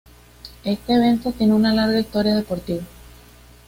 Este evento tiene una larga historia deportiva.